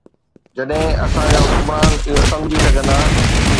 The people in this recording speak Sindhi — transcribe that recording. جڏهن اسان جا حڪمران اهو سمجهي سگهندا.